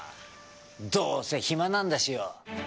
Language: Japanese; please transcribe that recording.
どうせ暇なんだしよ。